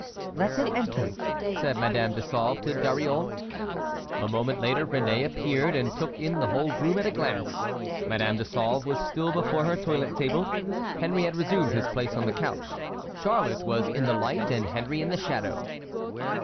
"Let him enter!" said Madame de Sauve to Dariole. A moment later Réné appeared, and took in the whole room at a glance. Madame de Sauve was still before her toilet table. Henry had resumed his place on the couch. Charlotte was in the light, and Henry in the shadow.